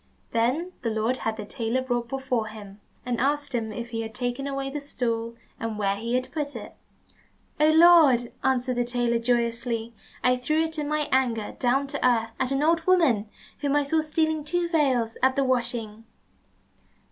Then the Lord had the tailor brought before him, and asked him if he had taken away the stool, and where he had put it? "Oh, Lord," answered the tailor joyously, "I threw it in my anger down to earth at an old woman whom I saw stealing two veils at the washing."